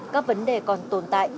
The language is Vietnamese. các vấn đề còn tồn tại